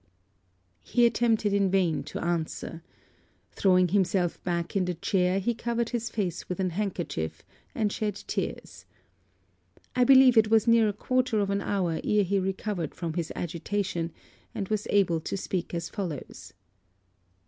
He attempted in vain to answer. Throwing himself back in the chair, he covered his face with an handkerchief, and shed tears. I believe it was near a quarter of an hour ere he recovered from his agitation, and was able to speak as follows.